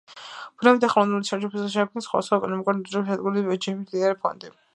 ბუნებრივი და ხელოვნური შერჩევის შედეგად შეიქმნა სხვადასხვა ეკონომიკური მნიშვნელობის ადგილობრივი ჯიშების მდიდარი ფონდი.